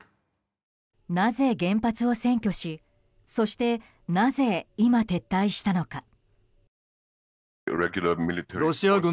なぜ、原発を占拠しそしてなぜ、今撤退したのか。